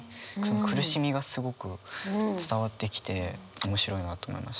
苦しみがすごく伝わってきて面白いなと思いました。